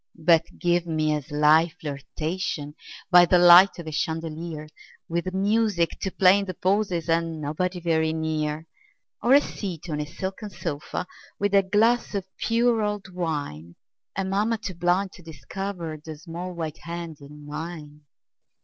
But give me a sly flirtation By the light of a chandelier With music to play in the pauses, And nobody very near; Or a seat on a silken sofa, With a glass of pure old wine, And mamma too blind to discover The small white hand in mine.